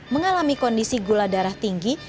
mengalami kondisi gula darah tinggi